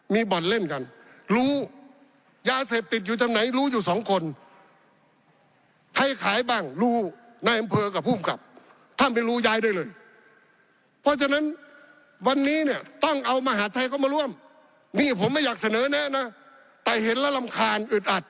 มีฝีมือในการบริหารจัดการ